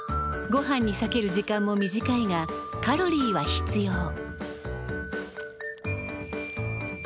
ごはんにさける時間も短いがカロリーは必要。